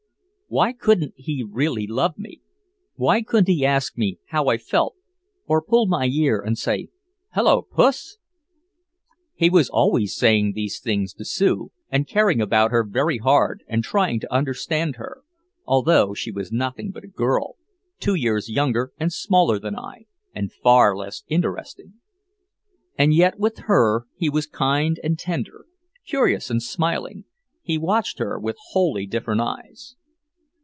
Why couldn't he really love me? Why couldn't he ask me how I felt or pull my ear and say "Hello, Puss?" He was always saying these things to Sue, and caring about her very hard and trying to understand her, although she was nothing but a girl, two years younger and smaller than I and far less interesting. And yet with her he was kind and tender, curious and smiling, he watched her with wholly different eyes.